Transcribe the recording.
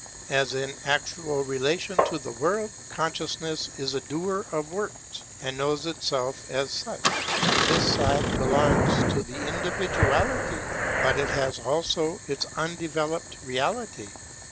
(As in actual relation to the world, consciousness is a doer of works, and knows itself as such, and this side belongs to its individuality^ But it has also its undeveloped reality.